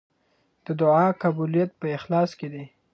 د دعا قبولیت په اخلاص کې دی.